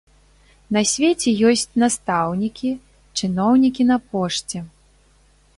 На свеце ёсць настаўнікі, чыноўнікі на пошце.